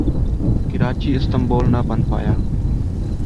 Karachi Istanbul نہ بن پایا